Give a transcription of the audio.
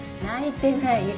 泣いてない。